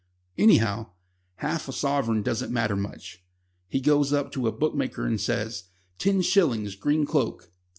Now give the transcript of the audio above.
Anyhow, half a sovereign doesn't matter much. He goes up to a bookmaker, and says: "Ten shillings Green Cloak."